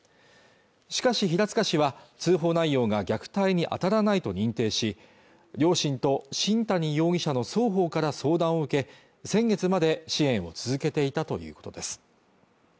しかし平塚市は通報内容が虐待にあたらないと認定し両親と新谷容疑者の双方から相談を受け先月まで支援を続けていたということです